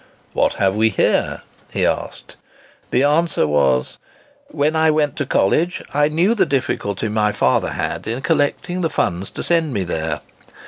"What have we here?" he asked. The answer was—"When I went to college, I knew the difficulty my father had in collecting the funds to send me there.